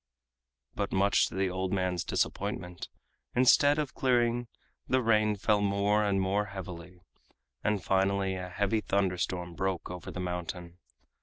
But much to the old man's disappointment, instead of clearing the rain fell more and more heavily, and finally a heavy thunderstorm broke over the mountain.